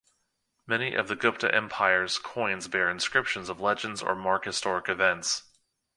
Many of the Gupta Empire's coins bear inscriptions of legends or mark historic events.